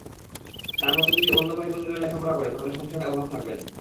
তাঁর মতো যদি অন্য ভাইবোনেরা লেখাপড়া করে তাহলে সংসারে অভাব থাকবে না।